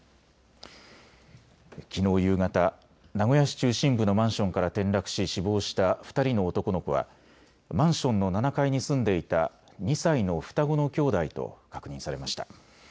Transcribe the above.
きのう夕方、名古屋市中心部のマンションから転落し死亡した２人の男の子はマンションの７階に住んでいた２歳の双子の兄弟と確認されました。